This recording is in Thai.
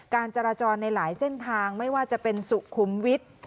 การจราจรในหลายเส้นทางไม่ว่าจะเป็นสุขุมวิทย์